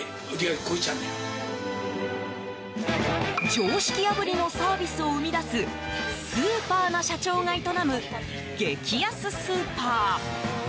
常識破りのサービスを生み出すスーパーな社長が営む激安スーパー。